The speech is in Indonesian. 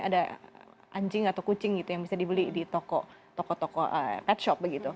ada anjing atau kucing yang bisa dibeli di pet shop